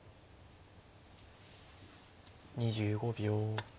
２５秒。